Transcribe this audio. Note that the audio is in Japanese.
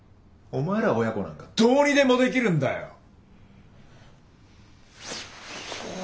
お前ら親子なんかどうにでもできるんだよ。